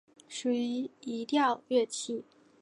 属于移调乐器。